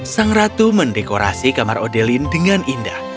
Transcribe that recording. sang ratu mendekorasi kamar odelin dengan indah